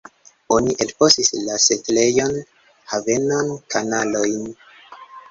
Oni elfosis la setlejon, havenon, kanalojn.